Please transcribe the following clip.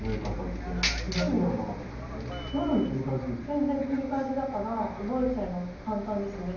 全然繰り返しだから覚えちゃえば簡単ですね。